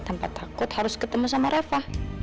tanpa takut harus ketemu sama rafa